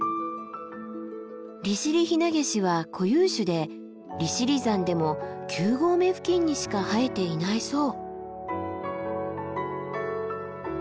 リシリヒナゲシは固有種で利尻山でも９合目付近にしか生えていないそう。